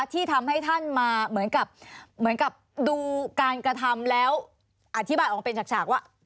ที่ทำให้ท่านมาเหมือนกับเหมือนกับดูการกระทำแล้วอธิบายออกมาเป็นฉากว่า